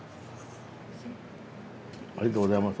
ありがとうございます。